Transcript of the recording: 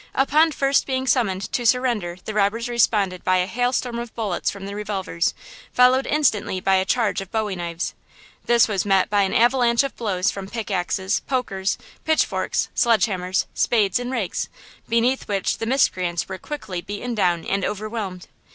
Upon first being summoned to surrender the robbers responded by a hail storm of bullets from their revolvers, followed instantly by a charge of bowie knives. This was met by an avalanche of blows from pick axes, pokers, pitch forks, sledge hammers, spades and rakes, beneath which the miscreants were quickly beaten down and overwhelmed.